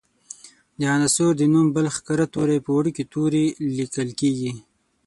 د عنصر د نوم بل ښکاره توری په وړوکي توري لیکل کیږي.